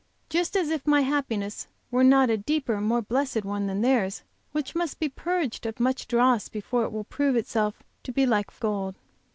Just as if my happiness were not a deeper, more blessed one than theirs which must be purged of much dross before it will prove itself to be like fine gold.